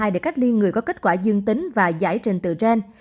để cách ly người có kết quả dương tính và giải trình tự gen